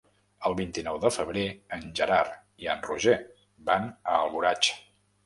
El vint-i-nou de febrer en Gerard i en Roger van a Alboraig.